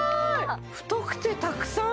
太くてたくさん！